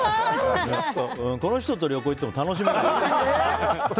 この人と旅行に行っても楽しめないね。